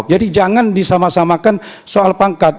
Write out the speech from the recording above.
jadi jangan disamasamakan soal pangkat